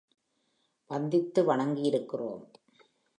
வந்தித்து வணங்கி இருக்கிறோம்.